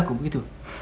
jadi aku begitu